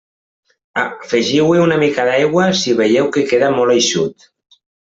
Afegiu-hi una mica d'aigua si veieu que queda molt eixut.